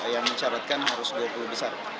yang mencaratkan harus dua puluh besar